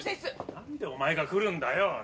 なんでお前が来るんだよ！